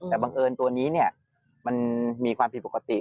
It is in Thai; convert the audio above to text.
แต่บังเอิญตัวนี้มันมีความผิดปกติ